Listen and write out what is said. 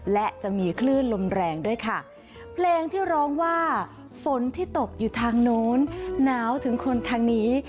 และจะมีคลื่นลมแรงด้วยค่ะเพลงที่ร้องว่าฝนที่ตกอยู่ทางโน้นหนาวถึงคนทางนี้